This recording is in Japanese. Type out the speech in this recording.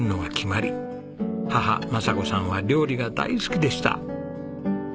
母政子さんは料理が大好きでした。